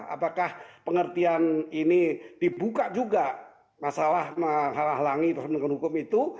apakah pengertian ini dibuka juga masalah menghalangi penegakan hukum itu